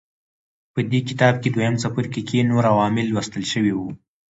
په دې کتاب دویم څپرکي کې نور عوامل لوستل شوي وو.